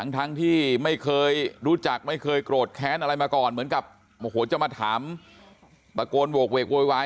ทั้งที่ไม่เคยรู้จักไม่เคยโกรธแค้นอะไรมาก่อนเหมือนกับโอ้โหจะมาถามตะโกนโหกเวกโวยวาย